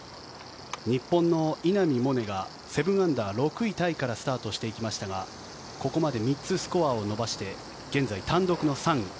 日本の稲見萌寧が７アンダー６位タイからスタートしてきましたがここまで３つスコアを伸ばして現在、単独の３位。